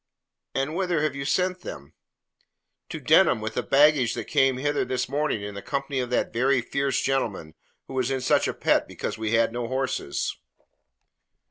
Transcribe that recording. "And whither have you sent them?" "To Denham with the baggage that came hither this morning in the company of that very fierce gentleman who was in such a pet because we had no horses."